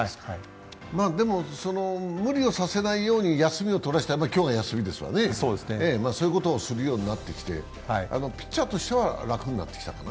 でも無理をさせないように休みを取らせて今日は休みですね、そういうことをするようになってきて、ピッチャーとしては楽になってきたかな？